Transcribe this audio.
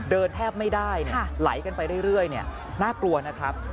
แทบไม่ได้ไหลกันไปเรื่อยน่ากลัวนะครับ